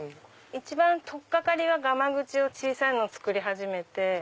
一番取っ掛かりはがまぐち小さいの作り始めて。